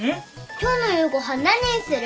今日の夕ご飯何にする？